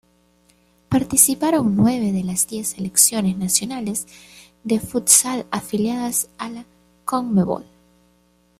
Participaron nueve de las diez selecciones nacionales de futsal afiliadas a la Conmebol.